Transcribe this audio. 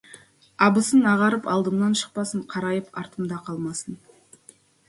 Абысын ағарып алдымнан шықпасын, қарайып артымда қалсын.